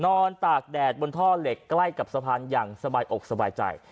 ตากแดดบนท่อเหล็กใกล้กับสะพานอย่างสบายอกสบายใจ